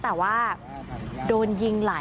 ผมยังอยากรู้ว่าว่ามันไล่ยิงคนทำไมวะ